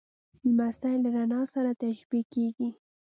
لمسی له رڼا سره تشبیه کېږي.